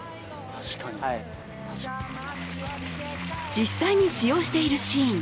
実際に使用しているシーン。